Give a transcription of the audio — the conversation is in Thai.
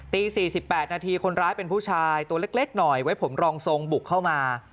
ตี๔๘นาทีคนร้ายเป็นผู้ชายตัวเล็กหน่อยไว้ผมรองทรงบุกเข้ามา